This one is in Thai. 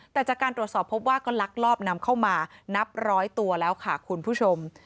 แต่จากการตรวจสอบพบว่าก็ลักลอบนำเข้ามานับร้อยตัวแล้วค่ะคุณผู้ชม